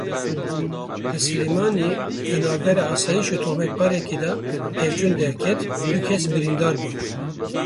Li Silêmaniyê di navbera Asayişê û tohmetbarekî de pevçûn derket du kes birîndar bûn.